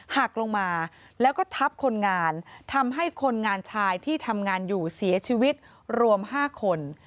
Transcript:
หักลงมาแล้วก็ทับคนงานทำให้คนงานชายที่ทำงานอยู่เสียชีวิตรวม๕คน